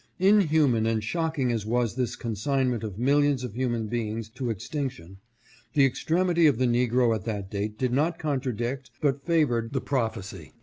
" Inhuman and shocking as was this consignment of millions of human beings to extinction, the extremity of the negro at that date did not contradict, but favored, the prophecy.